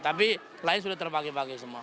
tapi lain sudah terbagi bagi semua